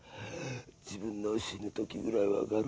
自分の死ぬ時ぐらい分かる。